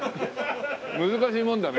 難しいもんだね。